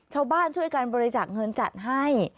ชาวบ้านช่วยกันบริจักษ์เงินจัดให้